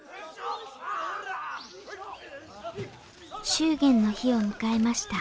祝言の日を迎えました